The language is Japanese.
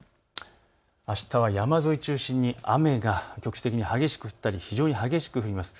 あしたは山沿い中心に雨が局地的に非常に激しく降ります。